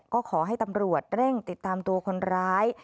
ก็ขอให้ตำรวจเร่งติดตามตัวคนร้าย